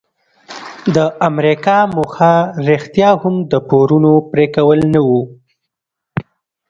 د امریکا موخه رښتیا هم د پورونو پریکول نه وو.